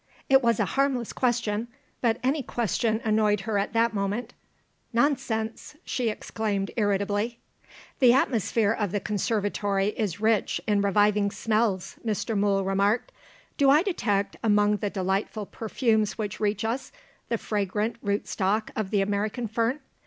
It was a harmless question, but any question annoyed her at that moment. "Nonsense!" she exclaimed irritably. "The atmosphere of the conservatory is rich in reviving smells," Mr. Mool remarked. "Do I detect, among the delightful perfumes which reach us, the fragrant root stock of the American fern?